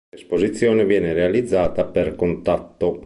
L'esposizione viene realizzata per contatto.